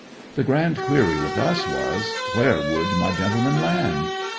The grand query with us was, Where would my gentleman land?